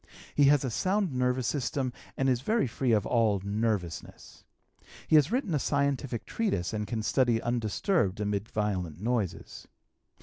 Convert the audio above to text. He has a sound nervous system and is very free from all "nervousness." He has written a scientific treatise and can study undisturbed amid violent noises.